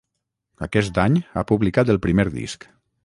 Aquest any ha publicat el primer disc